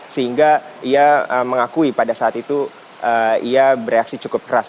sehingga ia mengakui pada saat itu ia bereaksi cukup keras